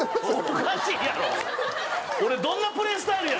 おかしいやろ。